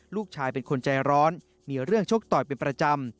ลูกชายเป็นคนใจร้อนมีเรื่องชกต่อยเป็นประจำ